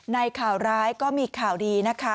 ข่าวร้ายก็มีข่าวดีนะคะ